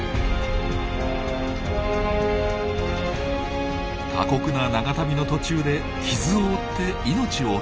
過酷な長旅の途中で傷を負って命を落とすことも。